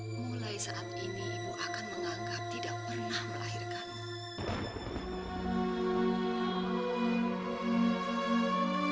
mulai saat ini ibu akan menganggap tidak pernah melahirkanmu